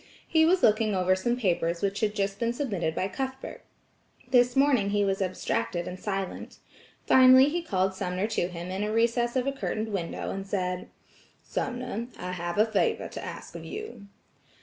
He was looking over some papers which had just been submitted by Cuthbert. This morning he was abstracted and silent. Finally he called Sumner to him in a recess of a curtained window and said: "Sumner, I have a favor to ask of you."